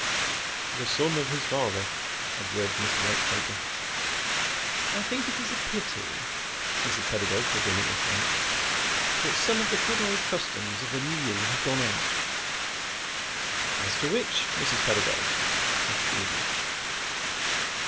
"The son of his father," observed Mr. Whitechoker. "I think it is a pity," Mrs. Pedagog put in at this point, "that some of the good old customs of the New Year have gone out." "As to which, Mrs. Pedagog?" asked the Idiot.